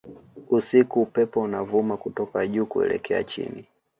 Usiku upepo unavuma kutoka juu kuelekea chini